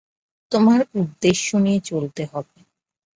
তোমার উদ্দেশ্য নিয়ে চলতে হবে।